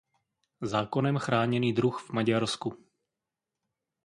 Zákonem chráněný druh v Maďarsku.